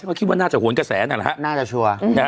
ก็คิดว่าน่าจะหูลกระแสนุ๊ยนะหรอ